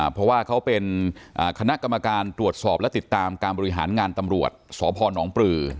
เพราะว่าเขาเป็นคณะกรรมการตรวจสอบและติดตามการบริหารงานตำรวจสพนปลือ